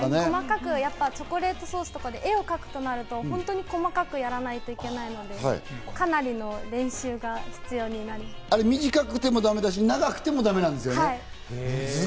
チョコレートソースとかで絵を描くとなると、本当に細かくやらないといけないので、かなりの短くても長くてもだめなんですよね。